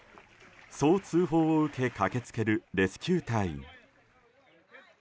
そう通報を受け駆けつけるレスキュー隊員。